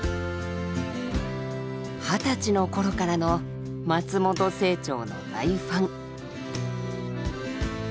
「２０才の頃からの松本清張の大ファン」。